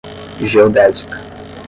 geodésica